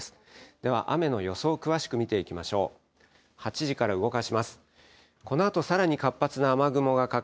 では雨の予想を詳しく見ていきましょう。